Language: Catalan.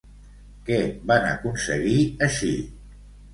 Què van aconseguir així?